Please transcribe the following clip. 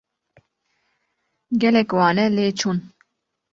Gelek wane lê çûn.